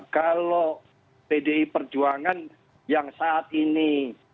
kalau pdi perjuangan yang saat ini